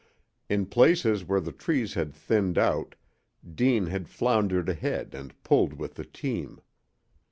In places where the trees had thinned out Deane had floundered ahead and pulled with the team.